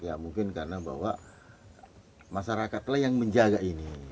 ya mungkin karena bahwa masyarakatlah yang menjaga ini